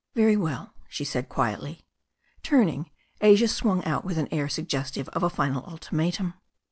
"Very well," she said quietly. Turning, Asia swung out with an air suggestive of a final ultimatum.